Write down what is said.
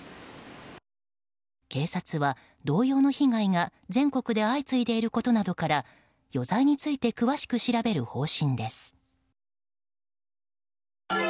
警察は同様の被害が全国で相次いでいることなどから余罪について詳しく調べる方針です。